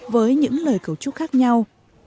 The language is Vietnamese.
với những lời cầu chúc khác nhau